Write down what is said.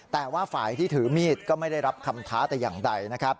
แต่ว่าฝ่ายที่ถือมีดก็ไม่ได้รับคำท้าแต่อย่างใดนะครับ